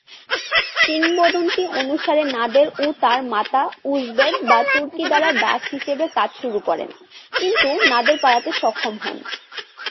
কিংবদন্তি অনুসারে নাদের ও তার মাতা উজবেক বা তুর্কী দ্বারা দাস হিসেবে কাজ শুরু করেন কিন্তু নাদের পালাতে সক্ষম হন।